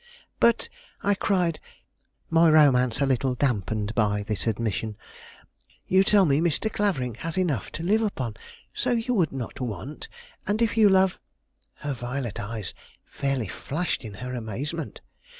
"But," I cried, my romance a little dampened by this admission, "you tell me Mr. Clavering has enough to live upon, so you would not want; and if you love " Her violet eyes fairly flashed in her amazement.